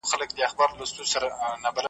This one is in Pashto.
زه یاغي له نمرودانو له ایمان سره همزولی.